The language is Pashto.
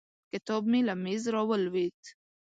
کتاب مې له مېز راولوېد.